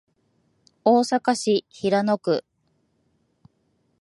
大阪市平野区